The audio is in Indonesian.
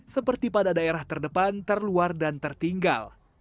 seperti pada daerah terdepan terluar dan tertinggal